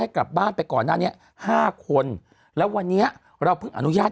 กลับบ้านไปก่อนหน้านี้ห้าคนแล้ววันนี้เราเพิ่งอนุญาต